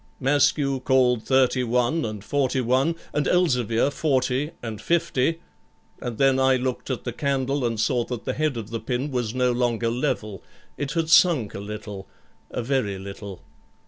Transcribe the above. Maskew called 31 and 41, and Elzevir 40 and 50, and then I looked at the candle, and saw that the head of the pin was no longer level, it had sunk a little a very little.